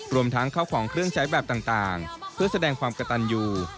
รวมทั้งเข้าของเครื่องใช้แบบต่างเพื่อแสดงความกระตันอยู่